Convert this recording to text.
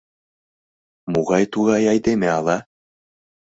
Могай-тугай айдеме ала?